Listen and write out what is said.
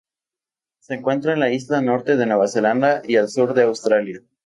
Se encuentra en la Isla Norte de Nueva Zelanda y el sur de Australia